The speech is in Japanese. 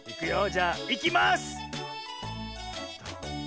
じゃあいきます！